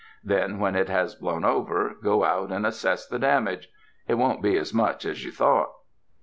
Then when it has blown over, go out and assess the damage. It won't be as much as you thought."